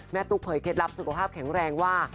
ตุ๊กเผยเคล็ดลับสุขภาพแข็งแรงว่า